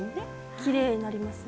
きれいになりますよね。